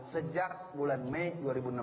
sejak bulan mei dua ribu enam belas